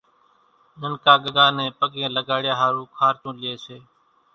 ننڪا ڳڳا نين پڳين لڳڙيا ۿارُو خارچون لئي سي،